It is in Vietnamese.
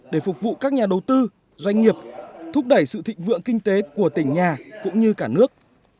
để phục vụ các nhà đầu tư doanh nghiệp thúc đẩy sự thịnh vượng kinh tế của tỉnh nhà cũng như cả nước